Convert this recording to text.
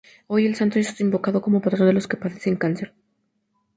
Hoy, el Santo es invocado como patrón de los que padecen cáncer.